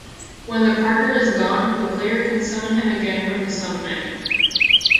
When the partner is gone, the player can summon him again from the sub-menu.